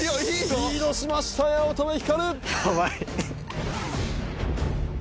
リードしました、八乙女光。